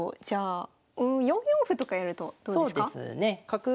じゃあ４四歩とかやるとどうですか？